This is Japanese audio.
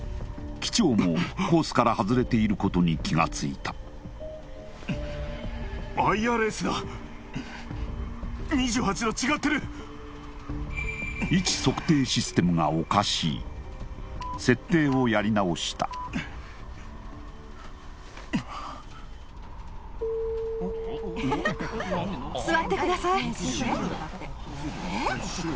機長もコースから外れていることに気がついたＩＲＳが２８度違ってる位置測定システムがおかしい設定をやり直した座ってください・えっ？